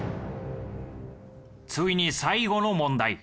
ついに最後の問題。